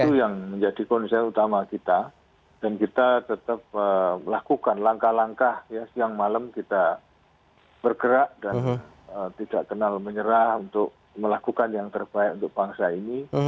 dan menjadi konsep utama kita dan kita tetap melakukan langkah langkah ya siang malam kita bergerak dan tidak kenal menyerah untuk melakukan yang terbaik untuk bangsa ini